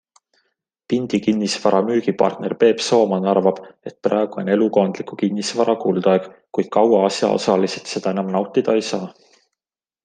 Pindi Kinnisvara müügipartner Peep Sooman arvab, et praegu on elukondliku kinnisvara kuldaeg, kuid kaua asjaosalised seda enam nautida ei saa.